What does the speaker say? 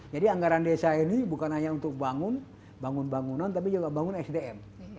jadi anggaran desa ini bukan hanya untuk bangun bangun bangunan tapi juga bangun sdm